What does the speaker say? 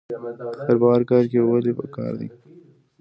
خیر په هر کار کې ولې پکار دی؟